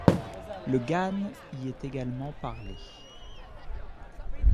Le gan y est également parlé.